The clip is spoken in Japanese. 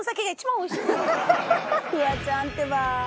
フワちゃんってば。